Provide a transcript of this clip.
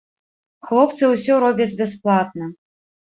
Хлопцы ўсё робяць бясплатна.